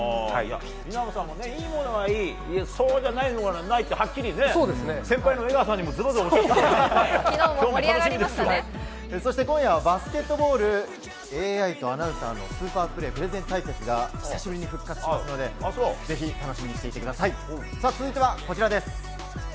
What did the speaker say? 稲葉さんもいいものはいいそうじゃないものはないってはっきりね、先輩の稲葉さんにもそして今夜はバスケットボールＡＩとアナウンサーのスーパープレープレゼン大会が久々に復活しますのでぜひ、楽しみにしてください。